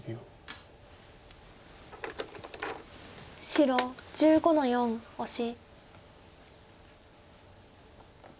白１５の四オシ。